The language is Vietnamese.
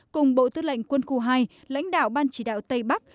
cùng bộ tư lệnh quân khu hai lãnh đạo ban chỉ đạo tây bắc